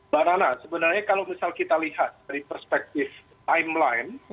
mbak nana sebenarnya kalau misal kita lihat dari perspektif timeline